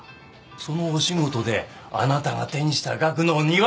そのお仕事であなたが手にした額の２倍！